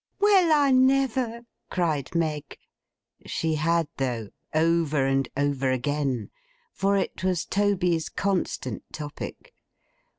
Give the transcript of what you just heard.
'Well, I never!' cried Meg. She had, though—over and over again. For it was Toby's constant topic.